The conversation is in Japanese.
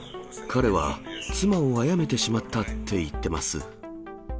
彼は、妻をあやめてしまったって言ってます。